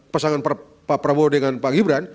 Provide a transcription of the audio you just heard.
pasangan pak prabowo dengan pak gibran